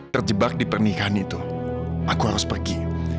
terjebak di pernikahan itu aku harus pergi